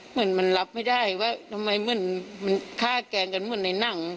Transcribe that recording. เหมือนมันรับไม่ได้ว่าทำไมเหมือนมันฆ่าแกล้งกันเหมือนในหนัง